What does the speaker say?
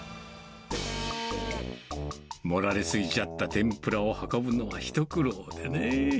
盛られ過ぎちゃった天ぷらを運ぶのは一苦労でね。